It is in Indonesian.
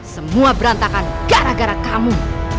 semua berantakan gara gara kamu